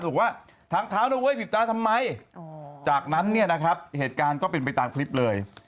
บอกว่าทางเท้านะเว้ยผิดตาทำไมจากนั้นเนี่ยนะครับเหตุการณ์ก็เป็นไปตามคลิปเลย